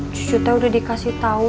cucu teh udah dikasih tau